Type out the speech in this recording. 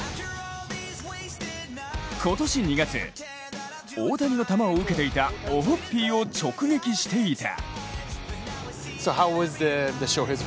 今年２月、大谷の球を受けていたオホッピーを直撃していた。